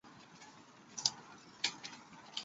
儿子是现任新北市议员邱烽尧。